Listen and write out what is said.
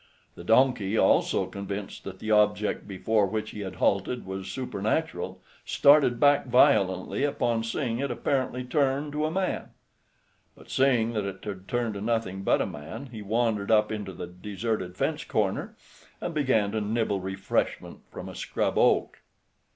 The donkey, also convinced that the object before which he had halted was supernatural, started back violently upon seeing it apparently turn to a man. But seeing that it had turned to nothing but a man, he wandered up into the deserted fence corner, and began to nibble refreshment from a scrub oak.